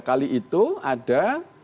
kali itu ada